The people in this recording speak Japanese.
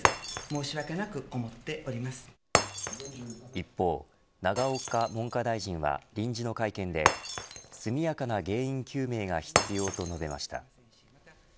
一方、永岡文科大臣は臨時の会見で速やかな原因究明が必要と述べました。